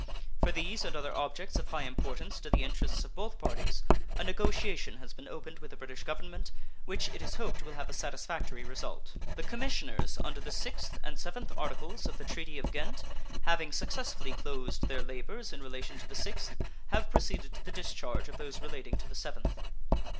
For these and other objects of high importance to the interests of both parties a negotiation has been opened with the British Government which it is hoped will have a satisfactory result. The commissioners under the 6th and 7th articles of the treaty of Ghent having successfully closed their labors in relation to the 6th, have proceeded to the discharge of those relating to the 7th.